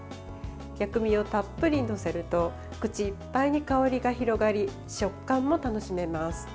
薬味をたっぷり載せると口いっぱいに香りが広がり食感も楽しめます。